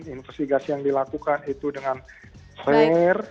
investigasi yang dilakukan itu dengan fair